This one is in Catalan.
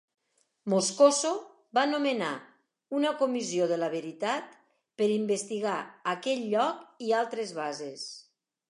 Moscoso va nomenar una comissió de la veritat per investigar aquell lloc i altres bases.